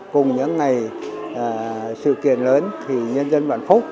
cùng những ngày sự kiện lớn thì nhân dân vạn phúc